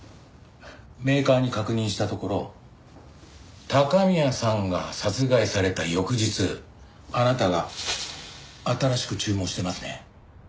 メーカーに確認したところ高宮さんが殺害された翌日あなたが新しく注文してますね。